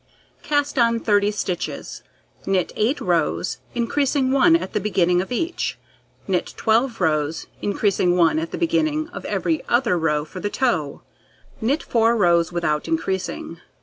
Cast on 30 stitches, knit 8 rows, increasing 1 at the beginning of each, knit 12 rows, increasing 1 at the beginning of every other row for the toe, knit 4 rows without increasing.